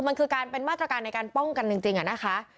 มันคือการเป็นมาตรการในการป้องกันจริงอะนะคะ